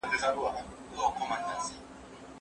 د روهیلو مشرانو په جګړه کي څه رول ولوباوه؟